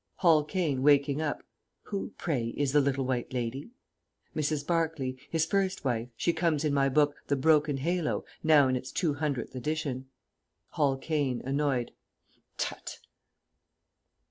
[Hall Caine (waking up). Who, pray, is the Little White Lady? Mrs. Barclay. His first wife. She comes in my book, "The Broken Halo," now in its two hundredth edition. Hall Caine (annoyed). _Tut!